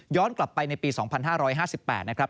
กลับไปในปี๒๕๕๘นะครับ